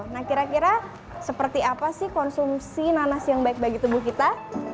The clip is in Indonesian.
nah kira kira seperti apa sih konsumsi nanas yang baik bagi tubuh kita